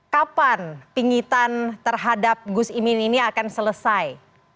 kapan pinggitan terhadap gus muhyiddin ini akan selesai